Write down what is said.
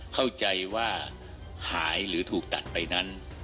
เข้าใจว่าหายหรือถูกตัดไปนั้น